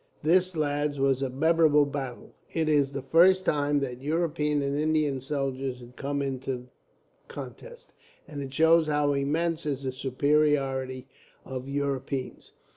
"This, lads, was a memorable battle. It is the first time that European and Indian soldiers have come into contest, and it shows how immense is the superiority of Europeans.